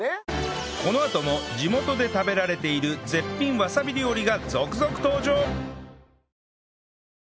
このあとも地元で食べられている絶品わさび料理が続々登場！